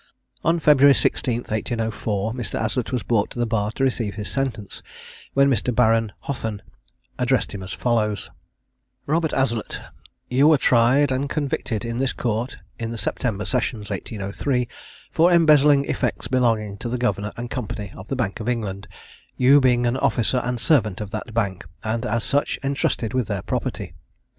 On February 16, 1804, Mr. Aslett was brought to the bar to receive his sentence, when Mr. Baron Hothan addressed him as follows: "Robert Aslett, you were tried and convicted in this Court, in the September sessions, 1803, for embezzling effects belonging to the Governor and Company of the Bank of England, you being an officer and servant of that Bank, and, as such, entrusted with their property.